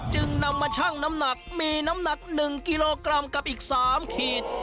จึงนำมาชั่งน้ำหนักมีน้ำหนัก๑กิโลกรัมกับอีก๓ขีด